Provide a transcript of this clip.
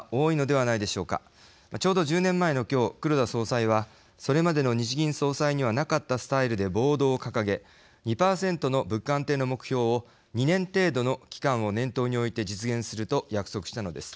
ちょうど１０年前の今日黒田総裁はそれまでの日銀総裁にはなかったスタイルでボードを掲げ２％の物価安定の目標を２年程度の期間を念頭に置いて実現すると約束したのです。